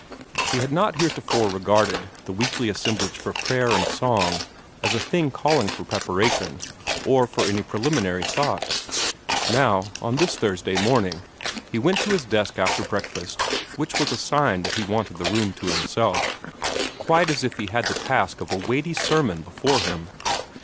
He had not heretofore regarded the weekly assemblage for prayer and song as a thing calling for preparation, or for any preliminary thought. Now on this Thursday morning he went to his desk after breakfast, which was a sign that he wanted the room to himself, quite as if he had the task of a weighty sermon before him.